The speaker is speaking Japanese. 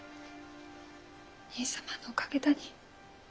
兄さまのおかげだに。